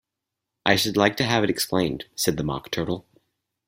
‘I should like to have it explained,’ said the Mock Turtle.